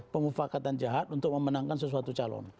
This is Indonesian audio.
pemufakatan jahat untuk memenangkan sesuatu calon